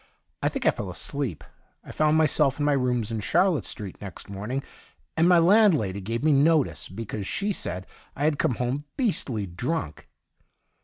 I think I fell asleep. I found myself in my rooms in Charlotte Street next morning, and my landlady gave me notice because, she said, I had come home beastly drunk.